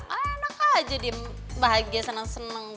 enak aja di bahagia senang senang